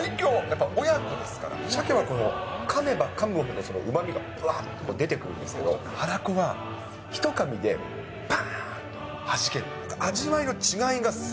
やっぱ親子ですから、シャケは、かめばかむほど、そのうまみがぶわっと出てくるんですけど、はらこはひとかみでぱーんとはじける。